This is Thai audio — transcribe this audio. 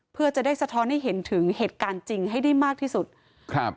เพื่อจะได้สะท้อนให้เห็นถึงเหตุการณ์จริงให้ได้มากที่สุดครับ